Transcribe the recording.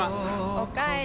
おかえり。